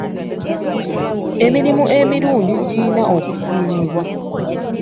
Emirimu emirungi girina okusiimibwa.